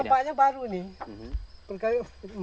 ini nampaknya baru nih